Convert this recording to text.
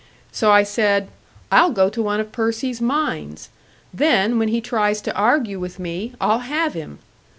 So I said: 'I'll go to one of Percy's mines! Then, when he tries to argue with me, I'll have him!'